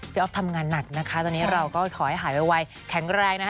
อ๊อฟทำงานหนักนะคะตอนนี้เราก็ขอให้หายไวแข็งแรงนะคะ